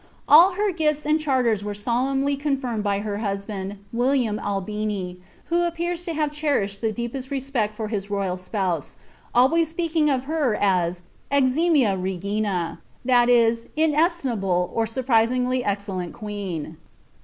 All gifts and charters were solemnly confirmed by her husband, William Ini, who appears to have cherished the deepest respect for his royal ise, always speaking of her as ^ eximia regina^'* — that is, inestima or surpassingly excellent queen.'